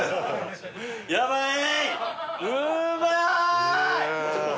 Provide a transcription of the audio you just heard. やばい！